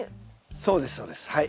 そうですそうですはい。